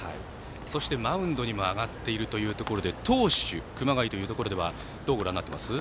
そしてマウンドにも上がっているということで投手、熊谷というところではどうご覧になっていますか？